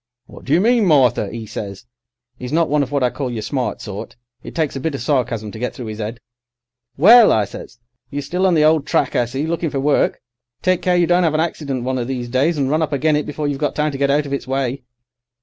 "'What do you mean, Martha?' 'e says. 'E's not one of what I call your smart sort. It takes a bit of sarcasm to get through 'is 'ead. "'Well,' I says, 'you're still on the old track, I see, looking for work. Take care you don't 'ave an accident one of these days and run up agen it before you've got time to get out of its way.